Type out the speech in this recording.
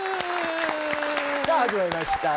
さあ始まりました。